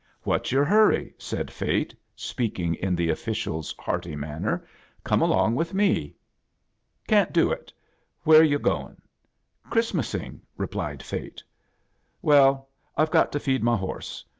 " What's your harry?" said Fate, speak ing in the official's hearty inaiiner< " Come along With me." " Can't do it. Vhere're yu* goin*?" " Christraasing," replied Fate. " Well, I've got to feed my horse.